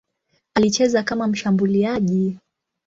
Alicheza kama mshambuliaji.